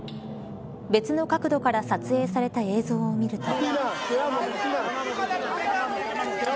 別の角度から撮影された映像を見ると。